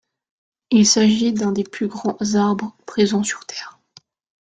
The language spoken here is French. Il s’agit d’un des plus grands arbres présents sur Terre.